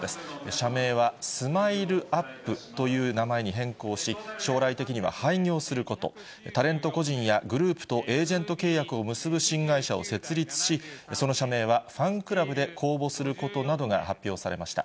社名はスマイルアップという名前に変更し、将来的には廃業すること、タレント個人やグループとエージェント契約を結ぶ新会社を設立し、その社名はファンクラブで公募することなどが発表されました。